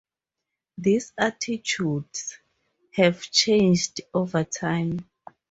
These attitudes have changed over time.